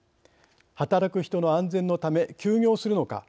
働く人の安全のため休業するのか